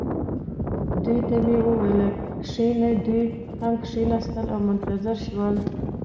دوی ته مې وویل: کښینئ. دوی هم کښېنستل او منتظر شول.